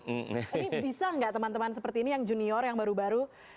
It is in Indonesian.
ini bisa nggak teman teman seperti ini yang junior yang baru baru